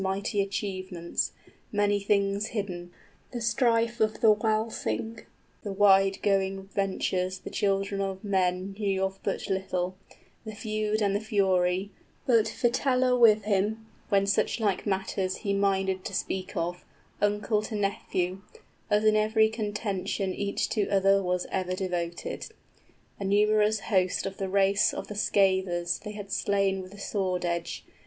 } Mighty achievements, many things hidden, 40 The strife of the Wælsing, the wide going ventures The children of men knew of but little, The feud and the fury, but Fitela with him, When suchlike matters he minded to speak of, Uncle to nephew, as in every contention 45 Each to other was ever devoted: A numerous host of the race of the scathers They had slain with the sword edge.